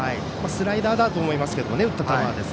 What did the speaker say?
スライダーだと思いますけどね、打った球は。